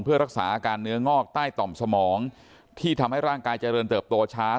เพื่อรักษาอาการเนื้องอกใต้ต่อมสมองที่ทำให้ร่างกายเจริญเติบโตช้า